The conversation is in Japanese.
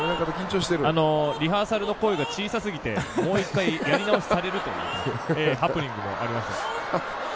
リハーサルの声が小さすぎてもう１回やり直しされるというハプニングもありました。